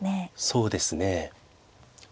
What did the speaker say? そうですね。